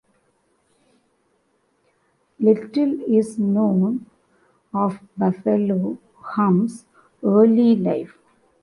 Little is known of Buffalo Hump's early life.